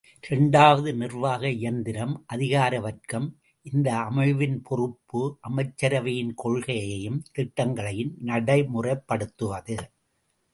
இரண்டாவது நிர்வாக இயந்திரம் அதிகார வர்க்கம், இந்த அமைவின் பொறுப்பு அமைச்சரவையின் கொள்கைகளையும், திட்டங்களையும் நடைமுறைப் படுத்துவது நிறைவேற்றுவது!